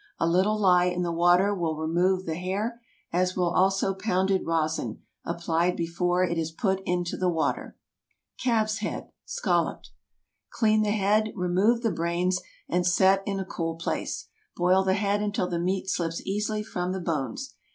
A little lye in the water will remove the hair—as will also pounded rosin, applied before it is put into the water. CALF'S HEAD (Scalloped.) ✠ Clean the head, remove the brains, and set in a cool place. Boil the head until the meat slips easily from the bones.